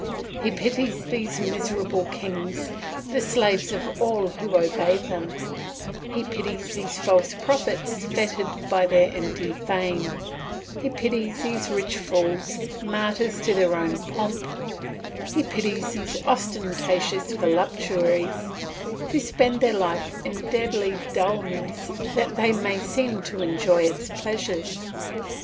He pities these miserable kings, the slaves of all who obey them; he pities these false prophets fettered by their empty fame; he pities these rich fools, martyrs to their own pomp; he pities these ostentatious voluptuaries, who spend their life in deadly dullness that they may seem to enjoy its pleasures.